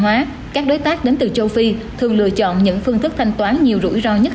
hóa các đối tác đến từ châu phi thường lựa chọn những phương thức thanh toán nhiều rủi ro nhất